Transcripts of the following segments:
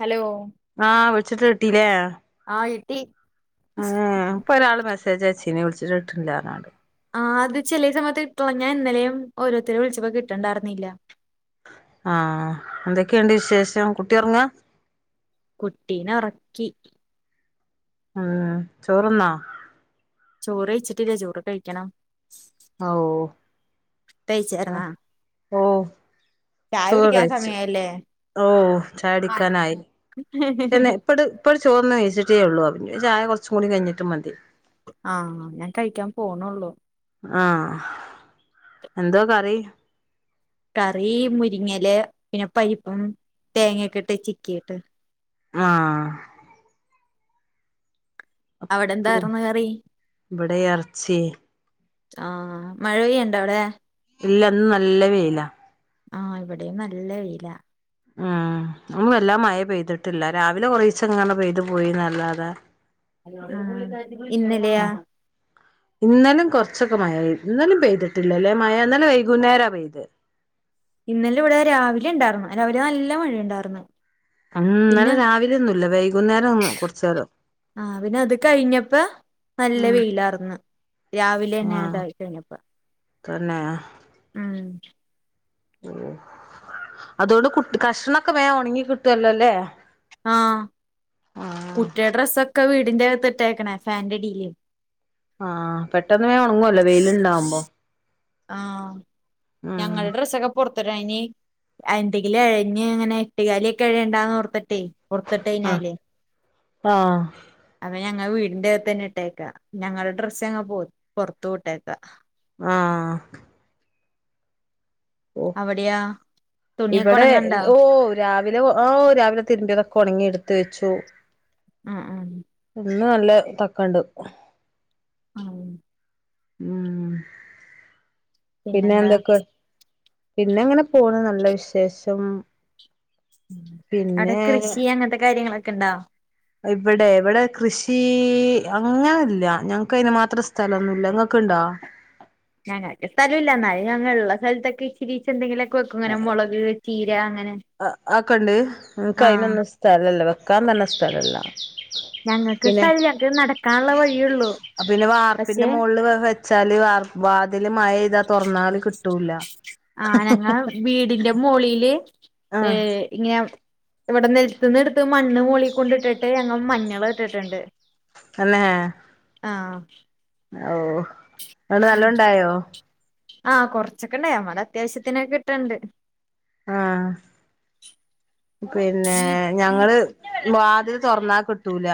Hello ആ വിളിച്ചിട്ട് കിട്ടില്ലേ ആയിട്ടി ആ അപ്പൊ ഒരാള് മെ മെസ്സേജ് അയച്ചീനി വിളിച്ചിട്ട് കിട്ട്ണ്ല്ല പറഞ്ഞാണ്ട് ആ അത് ചെലിയ സമയത്ത് കിട്ടളഞ്ഞാ ഇന്നലെയും ഓരോരുത്തര് വിളിച്ചപ്പ കിട്ടണ്ടായിരുന്നില്ല ആ എന്തൊക്കെയുണ്ട് വിശേഷം കുട്ടി ഉറങ്ങാ കുട്ടീന ഉറക്കി ഉം ചോറ് തിന്നോ ചോറ് കഴിച്ചിട്ടില്ല ചോറ് കഴിക്കണം ഓ ഓ ആ കഴിച്ചായിരുന്നാ ഒ ചായ ചോറ് കുടിക്കാൻ കഴിച്ചു സമയായല്ലേ ഓ ചായകുടിക്കാനായി പിന്നെ ഇപ്പട് ഇപ്പ ചോറ്ന്ന് കഴിച്ചിട്ടേ ഉള്ളൂ അപിന്നെ ചായ കുറച്ച് കൂടി കഴിഞ്ഞിട്ട് മതി ആഹ് ഞാൻ കഴിക്കാൻ പോണുള്ളൂ ആഹ് എന്തോ കറി കറി മുരിങ്ങെല് പിന്നെ പരിപ്പും തേങ്ങൊക്കെ ഇട്ട് ചിക്കിട്ട് ആഹ് അവിടെ എന്തായിറ്ന്ന് കറി ഇവിടെ എറച്ചി ആഹ് മഴ പെയ്യണ്ണ്ടാ അവിടെ ഇല്ലന്ന് നല്ല വേയ്ലാ ആഹ് ഇവിടെയും നല്ല വെയിലാ ഉം ങും എല്ലാ മഴേം പെയ്തിട്ടില്ല രാവിലെ കൊറെ ദിവസം ഇങ്ങന പെയ്തു പോയിന്നല്ലാതെ ആ ഇന്നലെയാ ഉം ഇന്നലും കുറച്ചൊക്കെ മഴ പെയ്ത് ഇന്നലും പെയ്തിട്ടില്ല അല്ലേ മഴ ഇന്നലെ വൈകുന്നേരാ പെയ്തെ ഇന്നലെ ഇവിടെ രാവിലെ ഉണ്ടായിർന്നു രാവിലെ നല്ല മഴ ഉണ്ടായിർന്നു ഉം ഇന്നലെ പിന്നെ രാവിലെയൊന്നുല്ല വൈകുന്നേരം ഒന്ന് കൊറച്ചേരം ആഹ് പിന്നെ അത് കഴിഞ്ഞപ്പ നല്ല ഉം വെയിലാർന്ന് രാവിലെ തന്നെ അതായി കഴിഞ്ഞപ്പ പിന്നെ ഉം അതൊണ്ട് കുട്ട് കഷ്ണോക്കെ വേഗം ഉണങ്ങി കിട്ടുവല്ലോല്ലേ ആഹ് ആഹ് കുട്ടിയെടെ ഡ്രസ്സ് ഒക്കെ വീട് ടിന്റെ അകത്തിട്ടേക്കണെ ഫാൻ്റടീല് ആഹ് പെട്ടെന്ന് വേഗം ഉണങ്ങുവല്ലോ വെയില് ഉണ്ടാവുമ്പോ ആ ഞങ്ങള് ഡ്രസ്സക്കെ പൊറത്തെ ഴഞ്ഞി അ എന്തെങ്കിലും എഴഞ്ഞ് അങ്ങനെ എട്ടുകാലി ഒക്കെ എഴയണ്ടാന്ന് ഓർത്തിട്ടെ പുറത്തിട്ട് ആഹ് കഴിഞ്ഞാലെ ആഹ് അവ ഞങ്ങ വീടിന്റെ അകത്ത് തന്നെ ഇട്ടേക്കാ ഞങ്ങള് ഡ്രസ്സങ്ങ് ഞങ്ങ പൊറത്തു ഇട്ടേക്ക ആഹ് ഓ അവിടെയാ തുണിയൊക്കെ ഇവിടെ ഒണങ്ങണ്ടാ ഓ രാവ് ലെ ഓ ആ രാവിലെ തിരുമ്പിയതൊക്കെ ഉണങ്ങി എടുത്ത് വെച്ചു അ ആം ഇന്ന് നല്ല തക്കണ്ട് ആം മ്മ് പിന്നെ പിന്നെന്താ എന്തൊക്കെ പിന്നെങ്ങനെ പോണ് നല്ല വിശേഷം അവിടെ പിന്നെ കൃഷി അങ്ങനത്തെ കാര്യങ്ങളൊ ക്കണ്ടാ ഇവിടെ ഇവിടെ കൃഷി അങ്ങനല്ല ഞങ്ങക്ക് അതിന് മാത്രം സ്ഥലൊന്നുമില്ല ങ്ങക്ക് ഇണ്ടോ? ഞങ്ങൾക്ക് സ്ഥലമില്ല എന്നാലും ഞങ്ങ ഇള്ള സ്ഥലത്തൊക്കെ ഇച്ചിരീച്ച് എന്തെങ്കിലും ഒക്കെ ആ ആക്കണ്ട് ആഹ് ഇൻകൈനൊന്നും സ്ഥലല്ല വെക് വെക്കാൻ തന്നെ സ്ഥലം ഇല്ല ഞങ്ങൾക്ക് സ്ഥലല്ല ങ്ങക്ക് നടക്കാനുള്ള വഴിയെ ഉള്ളു പക്ഷേ ച്ചാല് വാർപ്പ് വാത് തില് മഴ പെയ്താ തൊറന്നാല് കിട്ടൂല്ല ആഹ് വീടിന്റെ മോളീല് ഏ ഇങ്ങെയ ഇവിടെ നെൽത്ത്ന്ന് എടുത് ത്ത് മണ്ണ് മോളി കൊണ്ടിട്ടിട്ട് ഞങ്ങ മഞ്ഞൾ നട്ടിട്ട് ട്ട്ണ്ട് തന്നെ ആ ഓ അതൊണ്ട് നല്ലോം ഉണ്ടായോ ആ കൊറച്ചൊക്കെ ഉണ്ടായി നമ്മള അത്യാവശ്യത്തിനൊക്കെ കിട്ടണ്ട് ആ പിന്നെ ഞങ്ങള് വാതിൽ തൊറന്നാ കിട്ടൂല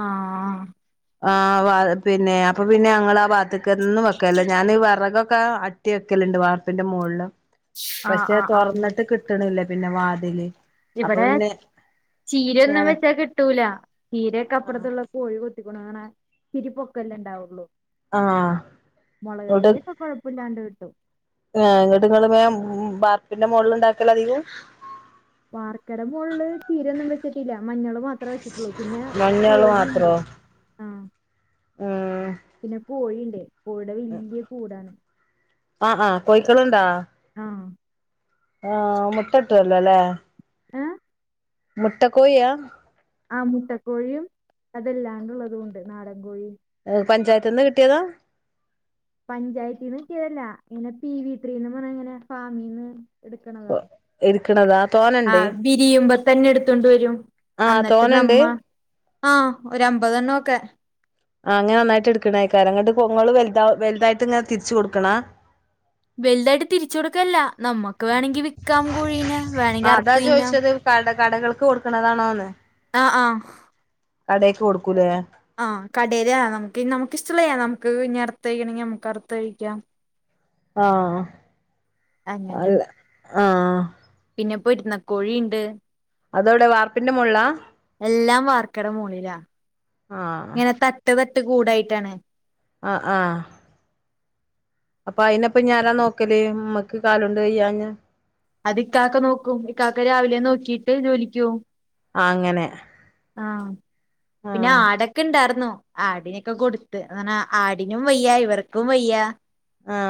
ആ ആ ആ വ പിന്നെ അപ്പൊ പിന്നെ ഞങ്ങളാ ആ വാത്തക്കൊന്നും വെക്കലില്ലാ ഞാൻ ഈ വിറകൊക്കെ അട്ടി വെക്കലുണ്ട് വാർപ്പിന്റെ മോളില് ആഹ് പക്ഷെ ആഹ് ആഹ് തുറന്നിട്ട് കിട്ടണില്ല പിന്നെ വാതില് അപ്പൊ ഇവിടെ പിന്നെ ചീരയൊന്നും ഞാന് വെച്ചാ കിട്ടൂല ചീരൊക്കെ അപ്പറത്തുള്ള കോഴി കൊത്തിക്കണു കാണാ ത്തിരിപ്പൊക്കല്ലെ ഉണ്ടാവുള്ളൂ ആഹ് മുളക് തൈ ഒക്കെ കുഴപ്പയില്ലാണ്ട് കിട് ആ ഇങ്ങട്ട് ഇങ്ങള് വേം മ് ബാർപ്പിന്റെ മോളിൽ ഉണ്ടാക്കല അധികോം വാർക്കേടെ മോളില് ചീരൊന്നും വെച്ചിട്ടില്ല മഞ്ഞള് മാത്രേ വെച്ചിട്ടുള്ളൂ, പിന്നെ മഞ്ഞള് കോഴിയുണ്ട്, മാത്രോ ആ ഉം പിന്നെ കോഴിയുണ്ട് കോഴീടെ വല്ല്യ കൂടാണ് ആഹ് ആഹ് കോഴിക്കളുണ്ടാ ആഹ് ആഹ് മുട്ട കിട്ടുവല്ലോ ല്ലേ ഏ മുട്ടക്കോയിയാ ആ മുട്ടക്കോഴിയും അതെല്ലാണ്ടുള്ളതുണ്ട് നാടൻ കോഴി ഏ പഞ്ചായത്ത്ന്ന് കിട്ടിയതാ പഞ്ചായത്തിന്ന് കിട്ടിയതല്ല ഇങ്ങനെ പി വി ത്രീന്ന് പറഞ്ഞങ്ങനെ ഫാമിന്ന് എടുക്കണതാ ഇരിക്കണതാ ആ തോനണ്ട് വിരിയുമ്പൊ തന്നെ എടുത്തണ്ട് വരും ആഹ് അന്നിട്ട് തോനണ്ട് നമ്മ ആ ഒരമ്പതെണ്ണോക്കെ ആ ങ്ങനെന്നായിട്ട് ടുക്കണെകാരം ങ്ങട്ട് പുമോള് വലുത വലുതായിട്ടിങ്ങനെ തിരിച്ചു കൊടുക്കണാ വലുതായിട്ട് തിരിച്ചു കൊടുക്കല്ല നമ്മുക്ക് വേണമെങ്കി വിക്കാം കോഴീനെ ആ വേണെങ്കി അതാ അർത്തിന്നാ ചോദിച്ചത് കട കടകൾക്ക് കൊടുക്കണതാണോന്ന് ആ ആ കടേക്ക് കൊടുക്കൂലേ ആ കടേലെ നമുക്ക്നി നമുക്കിഷ്ടള്ളയാണം നമുക്ക് ഇനി അർത്ത്ഴിക്കണമെങ്കിൽ നമുക്ക് അർത്തഴിക്കാം ആ അല്ല ആ പിന്നെപ്പോ ഇരുന്ന കോഴീണ്ട് അതോവ്ടെ വാർപ്പിന്റെ മോൾലാ--' എല്ലാം വാർക്കടെ മാേളിലാ ആഹ് ങ്ങനെ തട്ട് ത ട്ട് കൂടായ്ട്ടാണ് അ ആ അപ്പൊ അയിന്പ്പെഞ്ഞാരാ ഞാനാ നോക്കല് മ്മ ക്ക് കാലാേണ്ട് വയ്യാഞ്ഞാ അത് ഇക്കാക്ക നോക്കും ഇക്കാക്ക രാവിലെ നോക്കീട്ട് ജോലിക്ക്യാേവും ആ അങ്ങനെ ആ പിന്നെ ആഹ് ആടെക്കെ ണ്ടാർന്നോ ആടിനെക്കെ കൊടുത്ത് അങ്ങനാ ആടിനും വയ്യാ ഇവർക്കും വയ്യാ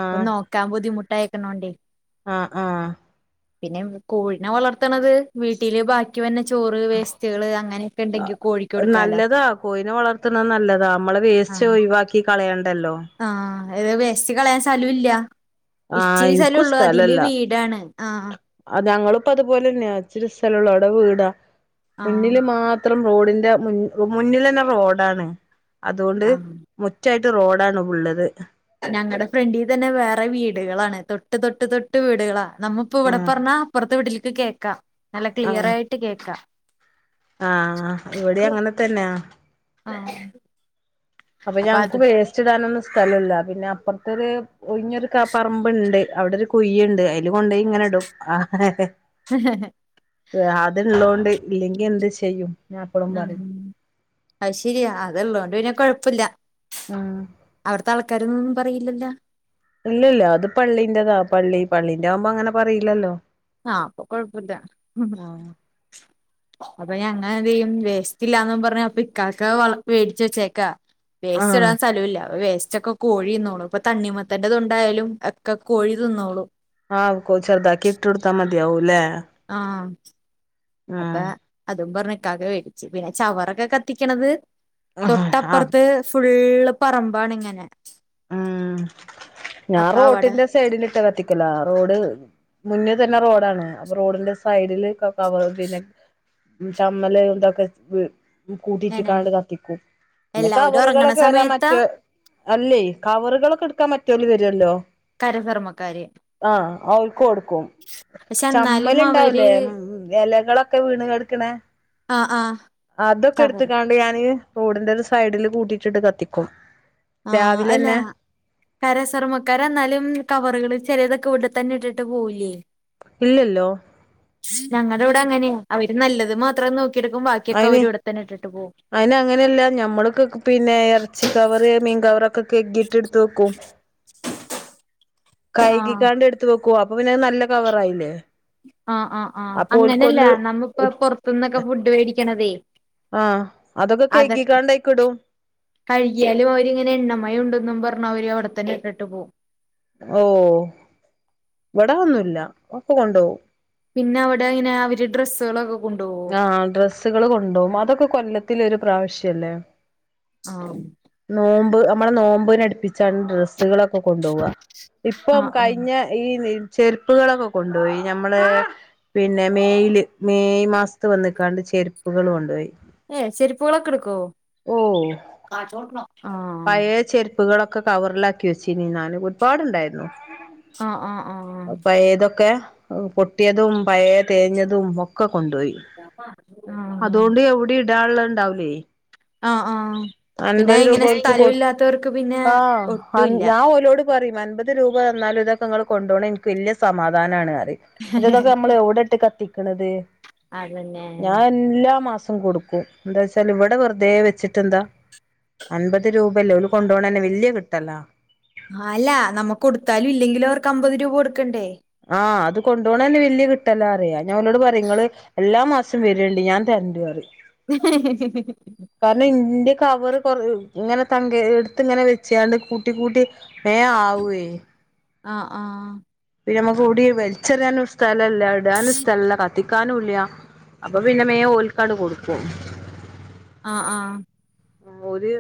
പ്പം നോക്കാൻ ബുധിമു ട്ടായ്ക്ക്ണോണ്ടെ ആ ആ പിന്നെ കോഴിനെ വളർത്ത്ണത് വീട്ടില് ബാക്കി വര്ന്ന കോഴിക്ക് കൊടുക്കാലോ നല്ലതാ കോയ്നെ വളർത്ത്ന്നെ നല്ലതാ മ്മളെ വേസ്റ്റ് ആഹ് ഒഴിവാക്കി കളയണ്ടല്ലോ അത് വേസ്റ്റ് കള സ്തലൂല്ല ആഹ് ഇച്ചിരി ഇൻക്കും സ്ഥലാെള്ളൂ അതില് സ്ഥലല്ല വീടാണ് ആ അ പ്പതുപോലെന്നാ ച്ചിരി സ്ഥലാെള്ളൂ അവ്ടെ വീടാ ആഹ് മുന്നില് മാ ത്രം റോഡിന്റെ മുന്നിൽ തന്നെ റോഡാണ് അതുകൊണ്ട് ആഹ് മുറ്റ റോഡാണ് ഉള്ളത് ഞങ്ങളുടെ ഫ്രണ്ടിൽ തന്നെ വേറെ വീടുകളാണ് തൊട്ട് തൊട്ട് തൊട്ട് വീടുകളാ നമ്മിപ്പോ ഇവിടെ ആഹ് പറഞ്ഞാ അപുറത്ത് വീട്ടില്- ഇത് കേക്കാം നല്ല ക്ലിയർ ആയിട്ട് കേക്കാം ആഹ ഇവിടെ അങ്ങനെ തന്നെയ ആഹ അപ്പൊഞങ്ങൾക്ക് വേസ്റ്റ് ഇടാനൊന്ന്- സ്ഥലല്ല പിന്നെ അപ്പറത്തൊരു ഒഞ്ഞൊരു കുഞ്ഞൊരു പറമ്പുണ്ട് അവിടെ ഒരു കുഴിണ്ട് അതിൽ കൊണ്ടുപോയി ഇങ്ങനെ ഇടും ആ- അത് ഉള്ളോണ്ട്- ഇല്ലെങ്കിൽ എന്ത് ചെയ്യും? ഞാൻ എപ്പളും ആഹ പറയും അത് ശരിയാ അതള്ളോണ്ട് പിന്നെ കൊഴപ്പ- കുഴപ്പമില്ല ഉം അവിടുത്തെ ആൾക്കാരൊന്നും- പറയില്ലല്ലോ ഇല്ല ഇല്ല അത് പള്ളിൻ്റെതാ പള്ളീന്റെ ആവുമ്പോ അങ്ങനെ പറയില്ലല്ലോ? ആഹ കൊഴപ്പമില്ല അപ്പൊ ഞങ്ങ എന്ത് ചെയ്യും വേസ്റ്റ്ല്ലാന്ന് പറഞ്ഞ ഇക്കാക്ക മേടിച്ച വെച്ചേക്കാ വേസ്റ്റ് ആഹ് ഇടാൻ സ്ഥലമില്ല വേസ്റ്റ് വൈസ്റ്റ്‌ കോഴി നിന്നോളു ഇപ്പൊ തണ്ണിമത്തൻ്റെതുണ്ടായാലും ഒക്കെ കോഴി തിന്നോള്ളൂ. ആഹ് ചെറുതാക്കി ഇട്ടടുത്താ മതിയാവുലെ ആഹ അപ്പ അതും പറഞ് - ഇകാക്ക വേടിച്ച് പിന്നെ ചവറൊക്കെ കത്തിക്കണത്- ആഹ് തൊട്ടപ്പുറത്ത് ഫുൽ- ഫുള്ള് പറമ്പാണ് ഇങ്ങനെ ഉം ഞാൻ അപ്പൊ അവിടെ റോട്ടിന്റെ സൈഡിലിട്ട് കത്തിക്കല റോഡ്- മുന്നേ തന്നെ റോഡാണ് അപ്പൊ റോഡിന്റെ സൈഡില് കവ [inaudible] പിന്നെ ചമ്മല് [unintelligible] ഇതൊക്കെ ഇങ്ങനെ കൂട്ടിട്ടാണ്ട് കത്തിക്കും പിന്നെ എല്ലാവരും ഉറങ്ങണ കവറുകളൊക്കെ സമയത്താ മറ്റു അല്ലേ- കവറുകളൊക്കെടുക്കാൻ മറ്റോര് വരുവല്ലോ കരകർമ്മക്കാര് ആഹ് ഔൾക്ക് കൊടുക്കും പക്ഷെ എന്നാലും ചമ്മല് ഇണ്ടാവൂലേ അവര് മ് മ് ഇലകളൊക്കെ വീണ് കെടുക്കണെ ആഹ് ആഹ് അ-തൊക്കെ ചവറ് എടുത്ത്കാണ്ട് ഞാന് റോഡിന്റെ ഒരു സൈഡില് കൂട്ടിട്ടിട്ട് കത്തിക്കും- ആഹ് അല്ല രാവിലെന്നെ ഹരിതകർമ്മസേനക്കാര് എന്നാലും കവറുകൾ ചെല- അതൊക്കെ ഇവിടെത്തന്നെ ഇട്ടിട്ട് പോവുല്ല്യേ ഇല്ലല്ലോ വിടെ അങ്ങനെയ അവര് നല്ലത് മാത്രം നോക്കി- അയിന് അയിന് അങ്ങനെയല്ല ഞമ്മളക്കെ പിന്നെ ഇറച്ച കവറ് മീൻകവറ്- കൊക്കെ കെട്ടിയെടുത്ത് വെക്കും ആഹ് കൈകികാണ്ട് എടുത്ത് വെക്ക് ഓ അപ്പൊ പിന്നെത് നല്ല കവറായില്ലേ ആ ആഹ് ആഹ് അപ്പൊ അങ്ങനല്ല ഓൽക്കൊന്ന് നമ്മിപ്പോ പുറത്തുന്നൊക്കെ ഫുഡ് മേടിക്കണതെ ആഹ് അതൊക്കെ കെയ്കിക്കാണ്ടയ്ക്കിടും കഴുകിയാലും അവരിങ്ങനെ എണ്ണമായി ഉണ്ടെന്നും പറഞ്ഞവര് അവിടെ തന്നിട്ട് പോം ഓ ഇവടന്നുമില്ല ഒക്കെ കൊണ്ടോവും പിന്നെ അവിടെങ്ങന അവര് ഡ്രസ്സുകളൊക്കെ കൊണ്ടുപോവോ ആ ഡ്രെസ്സുകള് കൊണ്ടോം അതൊക്കെ കൊല്ലത്തിലൊരു- പ്രാവശ്യല്ലെ ആഹ് നമ്മള് നോമ്പിനടുപ്പിച്ചാണ് ഡ്രസ്സുകളൊക്കെ- കൊണ്ടോവാ ഇപ്പം ആഹ് ആഹ് കഴിഞ്ഞ ഈ ചെരുപ്പുകളൊക്കെ കൊണ്ടുപോയി നമ്മള് പിന്നെ മെയ്- ല് മെയ് മാസ- വന്നക്കാണ്ട് ചെരുപ്പുകള് കൊണ്ടോയി ഏ ചെരിപ്പകളൊക്കെടുക്കൊ ആ പ്പുകളൊക്കെ കവറിലാക്കി വെച്ചിനി ഒരുപാടുണ്ടാരുന്നു ആഹ് ആഹ് ആഹ് പയേതൊക്കെ പൊട്ടിയതും പയേ തേഞ്ഞതും ഒക്കെ കൊണ്ടോയി ആഹ് ആഹ് ഇടാനുള്ള ഇണ്ടാവിലേ ആഹ് ആഹ് പിന്നെ ഇങ്ങനെ ഓൽക്ക് സ്ഥലം കൊടു ഇല്ലാത്തവർക്ക് പിന്നെ ആഹ് അൻ ഒട്ടൂല്ല ഞാൻ ഓലോട് പറയും അൻപത് രൂപ തന്നാലും ഇതൊക്കിങ്ങള് കൊണ്ടേണ എനിക്ക് വലിയ സമാധാനാണ് ല്ലിതൊക്കെ നമ്മൾ എവിടിട്ട് കത്തിക്ക- ക്കണത് അതന്നെ ഞാൻ എല്ലാ മാസം കൊടുക്കും എന്താ വച്ചാൽ ഇവിടെ വെറുതെ വെച്ചിട്ടെന്താ അൻപത് രൂപയല്ലേ കൊണ്ടപോണന്നെ വെല്യ കെട്ടല്ലാ ആ അല്ല നമ്മക്ക് കൊടുത്താലും ഇല്ലെങ്കിലും അവർക്ക് അമ്പത് രൂപ കൊടുക്കണ്ടേ ആഹ് അത് കൊണ്ടു പോണേ തന്നെ വല്യ കേട്ടല്ല അറിയാ ഞാൻ ഒരോട് പറയും നിങ്ങള് എല്ലാ മാസം വരുവല്ലേ ഞാൻ തരുന്ന് കാരണം ഇതിന്റെ കവർ കൊ ഇങ്ങനെ തങ്ക എടുത്തങ്ങനെ വെച്ചാണ്ട് കൂട്ടി കൂട്ടി മേ ആവേ ആ ആ [unintelligible] കൂടി വലിച്ചെറിയാന ഒരു സ്ഥലം ഇല്ല ഇടാനും സ്ഥല ഇല്ല കത്തിക്കു ക്യാനുവില്ല അപ്പൊ പിന്നെ ഓൽക്ക് അങ്ങട് കൊടുക്കും ആ ആ ഒരു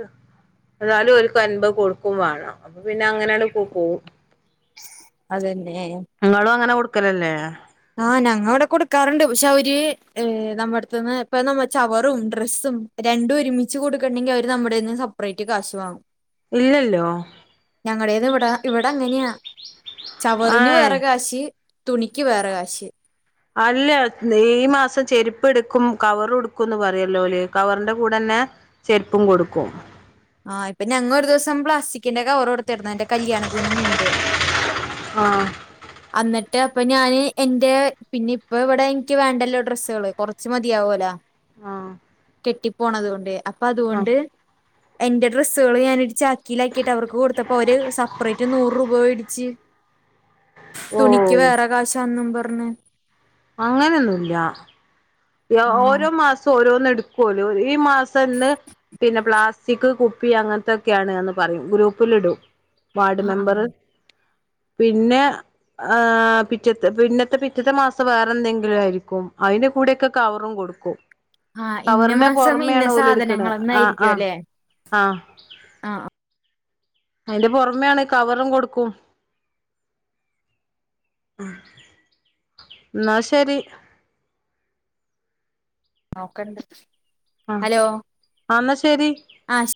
എന്നാലും ഓൽക്ക് അൻമ്പത് കൊടുക്കേം വാണം അപ്പൊ പിന്നെ അങ്ങനെട് [unintelligible] അതെന്നെ അങ്ങനെ കൊടുക്കലല്ലേ ആഹ് ഞങ്ങ ഇവിടെ കൊടുക്കാറുണ്ട് പക്ഷെ അവര് നമ്മടുത്തന്ന് ഇപ്പൊ നമ്മ ചവറും ഡ്രസ്സും രണ്ടും ഒരുമിച്ച് കൊടുക്കണ്ടെങ്കി അവര് നമ്മടെന്ന് സെപ്പറേറ്റ് കാശു വാങ്ങും ഇല്ലല്ലോ ഞങ്ങളടേത് ഇവിടെ ഇവിടെ അങ്ങനെയാ ചവറിന് ഏഹ് വേറെ കാശ് തുണിക്ക് വേറെ കാ ശ് അല്ല ഈ മാസം ചെരുപ്പ് എടുക്കും കവറു എടുക്കുന്ന് പറയല്ലോ ഓല്, കവറിന്റെ കൂടന്നെ ചെരുപ്പും കൊടുക്കും. ആ ഇപ്പ ഞങ്ങ ഒരു ദിവസം പ്ലസ്റ്റിക്കിന്റെ കവർ കൊടു ത്തിർന്നു എന്റെ കല്യാണത്തിന് മുമ്പ്. ആഹ് അന്നിട്ട് അപ്പ ഞാന് എന്റെ പിന്നെ ഇപ്പ ഇവിടെ നിക്ക് വേണ്ടല്ലോ ഡ്രസ്സുകള് കൊറച്ച് മതിയാവുല്ലോ. ആ കെട്ടിപ്പോണതു കൊണ്ട് അപ് അപ്പ അതുകൊണ്ട് എന്റെ ഡ്രസ്സുകള് ഞാന് ഒരു ചാ ക്കിലാക്കിട്ട് അവർക്ക് കൊടുത്തപ്പോ അവര് സപ്പറേറ്റ് നൂറ് രൂപ മേടിച്ച്. തുണിക്ക് ഓഹ് വേറെ കാശാന്നും പ പറഞ്ഞ് അങ്ങനൊന്നുല്ല. [unintelligible] ആഹ് ഓരോ മാസം ഓരോന്ന് എട് [unintelligible] ഓരോന്ന് ഈ മാസംന്നെ പിന്നെ പ്ലാസ്റ്റിക് കുപ്പി അങ്ങനത്തെ ഒക്കെയാണെന്ന് പറയും ഗ്രൂപ്പിൽ ഇടും. വാർഡ് ആഹ് മെമ്പറ് ആഹ് പിന്നെ ആ പിറ്റത്തെ പിന്നത്തെ പിറ്റത്തെ മാസം വേറെ എന്തെങ്കിലും ആയിരിക്കും അതിന്റെ കൂടെക്കെ കവറും കൊടുക്കും. ആഹ് ഇന്ന കവറിന്റെ മാസം ഇന്ന പുറമേയാണ് ഓല് എടുക്കണ ആഹ് സാധനങ്ങളെന്നായിരിക്കും ആഹ് അല്ലേ ആഹ്. ആഹ് അതിന്റെ പുറമോണ് കവറും കൊടുക്കും. എന്നാ ശരി നോക്കട്ടെ ആ ആ ന്ന ശരി ആഹ്